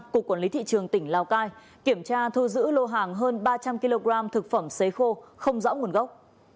cục quản lý thị trường tỉnh lào cai kiểm tra thu giữ lô hàng hơn ba trăm linh kg thực phẩm xấy khô không rõ nguồn gốc